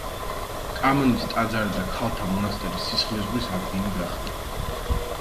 კამანის ტაძარი და ქალთა მონასტერი სისხლისღვრის ადგილი გახდა.